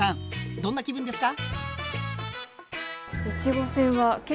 どんな気分ですか？